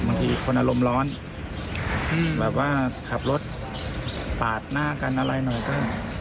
บางทีคนอารมณ์ร้อนแบบว่าขับรถปาดหน้ากันอะไรหน่อยก็